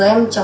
có ba em chú